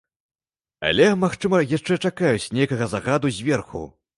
Але, магчыма, яшчэ чакаюць нейкага загаду зверху.